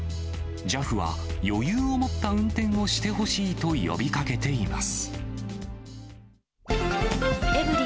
ＪＡＦは、余裕を持った運転をしてほしいと呼びかけています。